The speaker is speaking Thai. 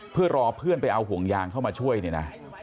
เพื่อรอเพื่อนไปเอาห่วงยางเข้ามาช่วยเนี่ยนะ